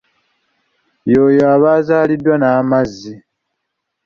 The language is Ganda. Ye oyo aba azaaliddwa n'amazzi.